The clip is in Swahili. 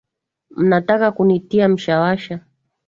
Mnataka kunitia mshawasha.